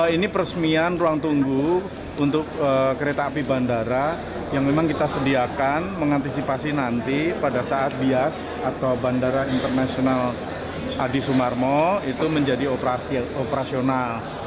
ini peresmian ruang tunggu untuk kereta api bandara yang memang kita sediakan mengantisipasi nanti pada saat bias atau bandara internasional adi sumarmo itu menjadi operasional